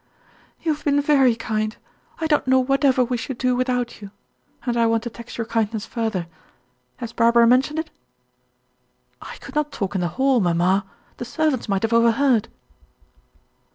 "You have been very kind; I don't know whatever we should do without you. And I want to tax your kindness further. Has Barbara mentioned it?" "I could not talk in the hall, mamma; the servants might have overheard."